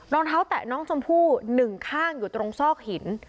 รองเท้าแตะน้องชมพู่หนึ่งข้างอยู่ตรงซอกหิน